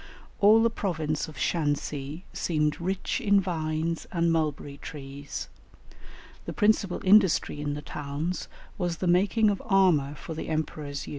All the province of Shan si seemed rich in vines and mulberry trees; the principal industry in the towns was the making of armour for the emperor's use.